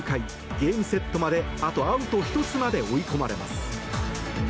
ゲームセットまであとアウト１つまで追い込まれます。